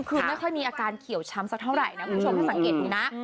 คือไม่ค่อยมีอาการเขี่ยวช้ำซะเท่าไหร่นะคุณผู้ชม